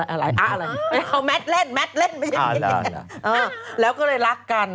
อ๋ออะไรมัดเล่นไม่ใช่อย่างนี้แล้วก็เลยรักกัน